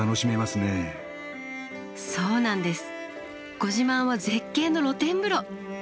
ご自慢は絶景の露天風呂！